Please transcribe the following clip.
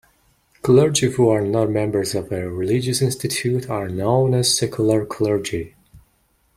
Clergy who are not members of a religious institute are known as secular clergy.